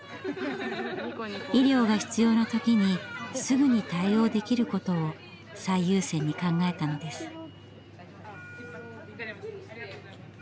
医療が必要な時にすぐに対応できることを最優先に考えたのです。